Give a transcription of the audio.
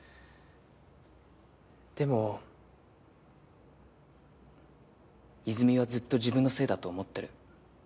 でも和泉はずっと自分のせいだと思ってる。